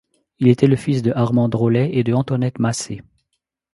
Il était le fils de Armand Drolet et de Antoinette Massé.